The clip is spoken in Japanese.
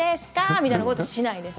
みたいなことしないです。